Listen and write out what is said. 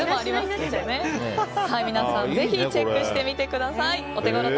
皆さんぜひチェックしてみてください。